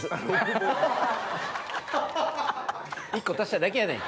１個足しただけやないか。